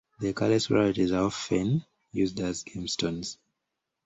The colorless varieties are often used as gemstones.